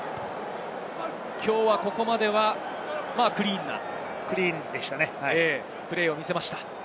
きょうはここまでは、クリーンなプレーを見せました。